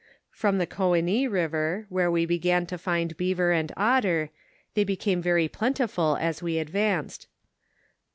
From the Goenis river, where we began to find beaver and otter, they became very plentiful as we advanced.